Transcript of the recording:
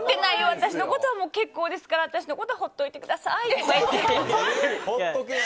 私のことは結構ですから私のことはほっておいてくださいって。